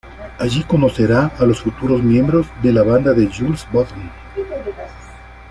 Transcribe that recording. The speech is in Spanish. Allí conocerá a los futuros miembros de la banda de Jules Bonnot.